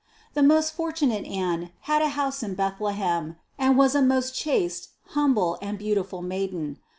167. The most fortunate Anne had a house in Bethle hem and was a most chaste, humble and beautiful maiden.